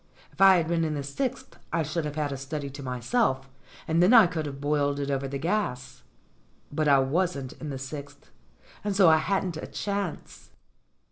If I had been in the sixth I should have had a study to myself, and then I could have boiled it over the gas. But I wasn't in the sixth, and so I hadn't a chance.